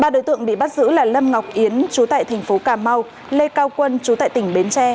ba đối tượng bị bắt giữ là lâm ngọc yến chú tại thành phố cà mau lê cao quân chú tại tỉnh bến tre